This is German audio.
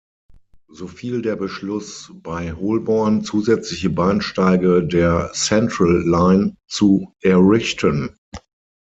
So fiel der Beschluss, bei Holborn zusätzliche Bahnsteige der Central Line zu errichten.